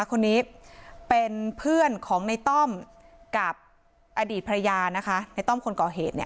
คนนี้เป็นเพื่อนของในต้อมกับอดีตภรรยานะคะในต้อมคนก่อเหตุเนี่ย